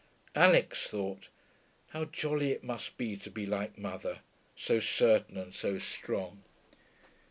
Alix thought, 'How jolly it must be to be like mother, so certain and so strong.'